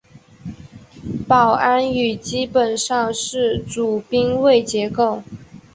保安语基本上是主宾谓结构。